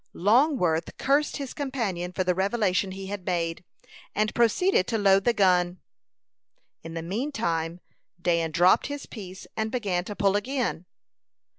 Longworth cursed his companion for the revelation he had made, and proceeded to load the gun. In the mean time Dan dropped his piece, and began to pull again.